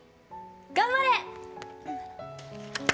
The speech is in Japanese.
頑張れ！」。